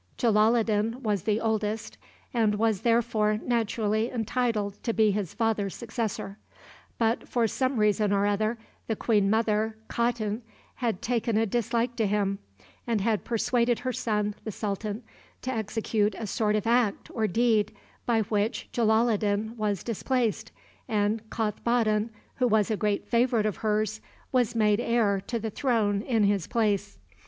Jalaloddin was the oldest, and was therefore naturally entitled to be his father's successor; but, for some reason or other, the queen mother, Khatun, had taken a dislike to him, and had persuaded her son, the sultan, to execute a sort of act or deed by which Jalaloddin was displaced, and Kothboddin, who was a great favorite of hers, was made heir to the throne in his place.